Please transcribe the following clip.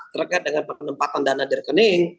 terkait dengan penempatan dana di rekening